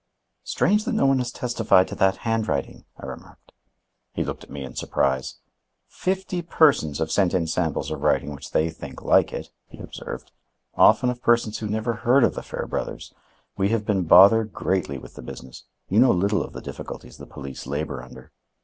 "Strange that no one has testified to that handwriting," I remarked. He looked at me in surprise. "Fifty persons have sent in samples of writing which they think like it," he observed. "Often of persons who never heard of the Fairbrothers. We have been bothered greatly with the business. You know little of the difficulties the police labor under."